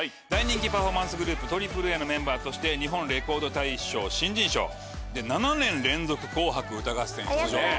大人気パフォーマンスグループＡＡＡのメンバーとして日本レコード大賞新人賞７年連続『紅白歌合戦』出場と。